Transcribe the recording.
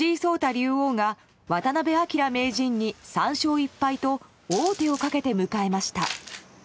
竜王が渡辺明名人に３勝１敗と王手をかけて迎えました。